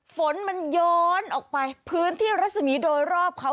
ฝนมันย้อนออกไปพื้นที่รัศมีร์โดยรอบเขา